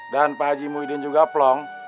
dan pak haji muhyiddin juga plong